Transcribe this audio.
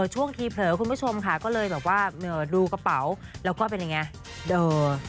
ช่วงทีเผลอคุณผู้ชมค่ะก็เลยแบบว่าดูกระเป๋าแล้วก็เป็นยังไง